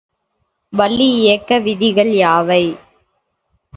வளி இயக்க விதிகள் யாவை?